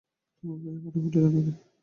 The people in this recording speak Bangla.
তোমার পায়ে কাঁটা ফুটিল নাকি।